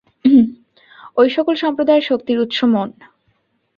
ঐ-সকল সম্প্রদায়ের শক্তির উৎস মন।